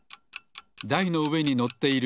だいのうえにのっている